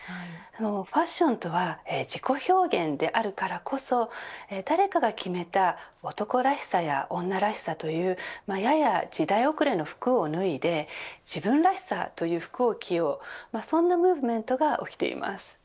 ファッションとは自己表現であるからこそ誰かが決めた男らしさや女らしさというやや時代遅れの服を脱いで自分らしさという服を着ようそんなムーブメントが起きています。